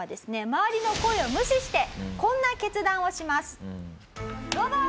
周りの声を無視してこんな決断をします。